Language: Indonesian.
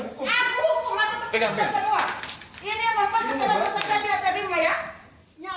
ini yang bapak keturunan saya tidak terima ya